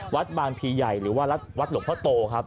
วัดบางพีใหญ่หรือว่าวัดหลวงพ่อโตครับ